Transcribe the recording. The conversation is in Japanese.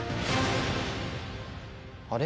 あれ？